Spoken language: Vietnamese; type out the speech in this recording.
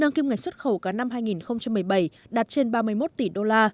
nâng kim ngạch xuất khẩu cả năm hai nghìn một mươi bảy đạt trên ba mươi một tỷ usd